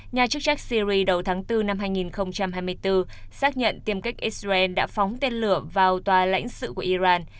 nhà chức trách syri đầu tháng bốn năm hai nghìn hai mươi bốn xác nhận tiêm cách israel đã phóng tên lửa vào tòa lãnh sự của iran